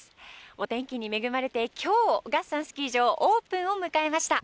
お天気に恵まれて、きょう、月山スキー場、オープンを迎えました。